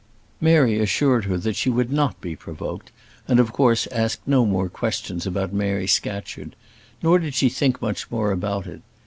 Mary assured her that she would not be provoked, and of course asked no more questions about Mary Scatcherd; nor did she think much more about it.